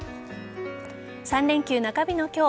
３連休中日の今日